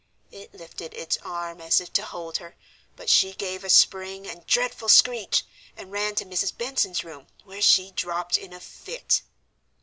It lifted its arm as if to hold her, but she gave a spring and dreadful screech, and ran to Mrs. Benson's room, where she dropped in a fit."